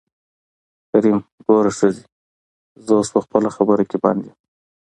کريم : ګوره ښځې زه اوس په خپله خبره کې بند يم.